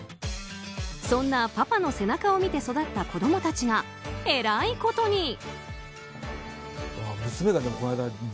そんなパパの背中を見て育った子供たちがえらいことに。